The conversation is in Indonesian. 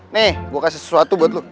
nih gue kasih sesuatu buat lo